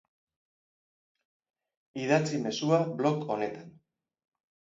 Idatzi mezua blog honetan.